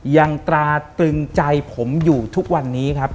ตราตรึงใจผมอยู่ทุกวันนี้ครับ